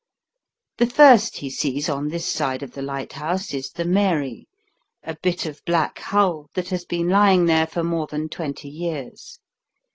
The first he sees on this side of the lighthouse is the Mary, a bit of black hull that has been lying there for more than twenty years.